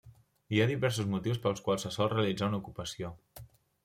Hi ha diversos motius pels quals se sol realitzar una ocupació.